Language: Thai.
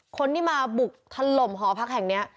คนที่มาบุกถล่มหอพักแห่งนี้